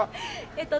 えっと